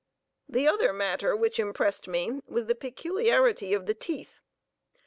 The other matter which impressed me was the peculiarity of the teeth.